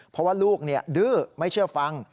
เพราะว่าลูกดื้อไม่เชื่อฟัง